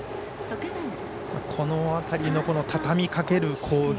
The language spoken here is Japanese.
この辺りのたたみかける攻撃。